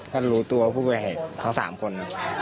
ก็รู้ตัวพวกเขาเห็นทั้ง๓คน